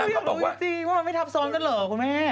อยากรู้จริงว่ามันไม่ทับซ้อนกันเหรอคุณแม่